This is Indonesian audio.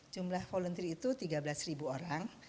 jumlah volunteer itu tiga belas ribu orang